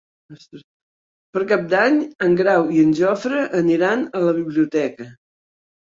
Per Cap d'Any en Grau i en Jofre aniran a la biblioteca.